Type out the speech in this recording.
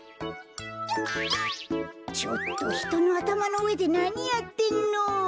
ちょっとひとのあたまのうえでなにやってんの？